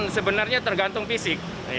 sebenarnya tergantung fisik